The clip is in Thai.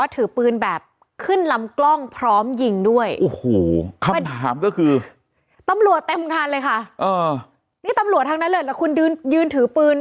ตำรวจเต็มทันเลยค่ะเออนี่ตำรวจทางนั้นเลยแล้วคุณยืนยืนถือปืน